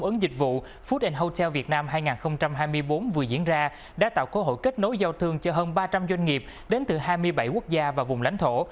ứng dịch vụ fude hotel việt nam hai nghìn hai mươi bốn vừa diễn ra đã tạo cơ hội kết nối giao thương cho hơn ba trăm linh doanh nghiệp đến từ hai mươi bảy quốc gia và vùng lãnh thổ